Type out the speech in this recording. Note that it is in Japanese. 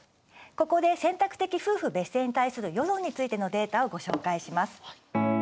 ここで選択的夫婦別姓に対する世論についてのデータをご紹介します。